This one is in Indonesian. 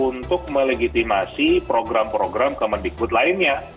untuk melepaskan legitimasi program program kemendikbud lainnya